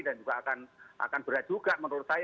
dan juga akan berat juga menurut saya